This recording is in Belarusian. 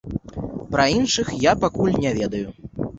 Пра іншых я пакуль не ведаю.